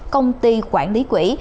công ty quản lý quỹ